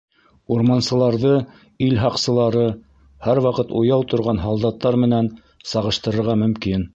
Урмансыларҙы ил һаҡсылары, һәр ваҡыт уяу торған һалдаттар менән сағыштырырға мөмкин.